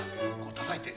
たたいて。